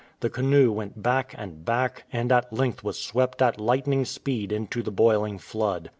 The canoe went back and back, and at length was swept at lightning speed into the boiling flood.